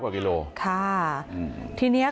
สบาย